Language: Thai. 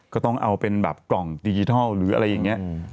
ก็ต้องเอาเป็นแบบกล่องดิจิทัลหรืออะไรอย่างนี้